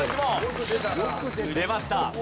出ました。